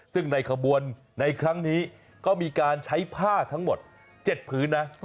ซึ่งในขบวนในครั้งนี้ก็มีการใช้ผ้าทั้งหมด๗พื้นนะ